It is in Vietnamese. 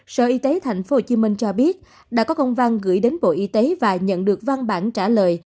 sở y tế thành phố hồ chí minh cho biết đã có công văn gửi đến bộ y tế và nhận được văn bản trả lời